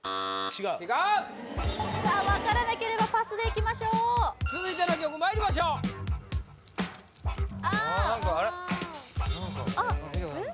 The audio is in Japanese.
違う分からなければパスでいきましょう続いての曲まいりましょうあっ・